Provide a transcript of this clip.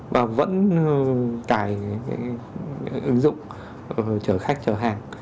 và vẫn tải cái ứng dụng chở khách chở hàng